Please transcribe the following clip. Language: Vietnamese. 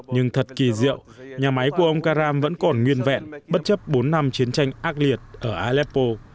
nhưng thật kỳ diệu nhà máy của ông caram vẫn còn nguyên vẹn bất chấp bốn năm chiến tranh ác liệt ở aleppo